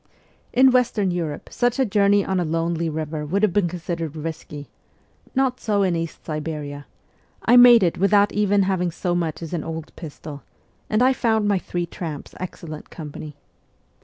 In Western Europe such a journey on a lonely river would have been considered risky not so in East Siberia ; I made it without even having so much as an old pistol, and I found my three tramps excellent company.